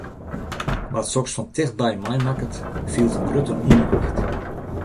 Wa’t soks fan tichtby meimakket, fielt in grutte ûnmacht.